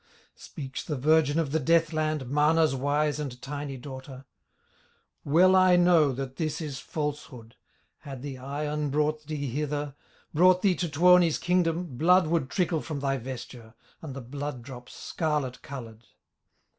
Speaks the virgin of the death land, Mana's wise and tiny daughter: "Well I know that this is falsehood, Had the iron brought thee hither, Brought thee to Tuoni's kingdom, Blood would trickle from thy vesture, And the blood drops, scarlet colored.